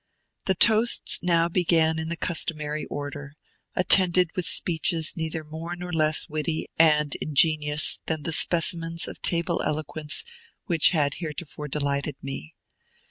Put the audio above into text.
The toasts now began in the customary order, attended with speeches neither more nor less witty and ingenious than the specimens of table eloquence which had heretofore delighted me.